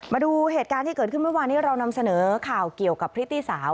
มาดูเหตุการณ์ที่เกิดขึ้นเมื่อวานนี้เรานำเสนอข่าวเกี่ยวกับพริตตี้สาว